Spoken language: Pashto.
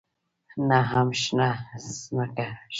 نه هم شنه ځمکه شته.